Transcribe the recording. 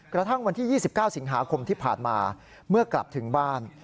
กระทั่งวันที่๒๙สิงหาคมที่ผ่านมาเมื่อกลับถึงบ้าน